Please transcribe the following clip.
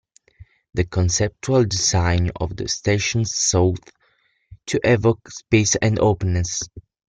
The conceptual design of the stations sought to evoke space and openness.